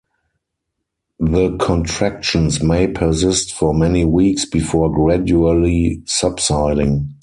The contractions may persist for many weeks before gradually subsiding.